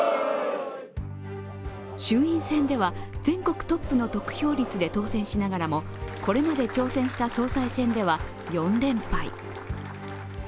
衆院選では全国トップの得票率で当選しながらも、これまで挑戦した総裁選では４連敗。